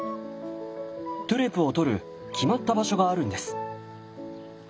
トゥレを採る決まった場所があるんです。